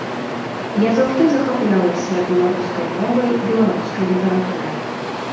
Я заўжды захаплялася беларускай мовай, беларускай літаратурай.